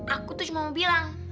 aku tuh cuma mau bilang